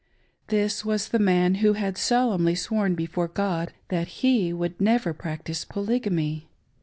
This was the man who had solemnly sworn before God, that he would never practice Polygamy